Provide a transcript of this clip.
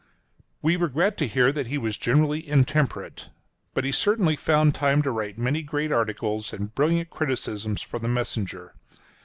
We regret to hear that he was generally intemperate; but he certainly found time to write many great articles and brilliant criticisms for the Messenger.